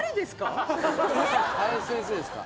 林先生ですか？